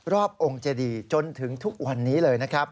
รอบองค์เจดีจนถึงทุกวันนี้เลยนะครับ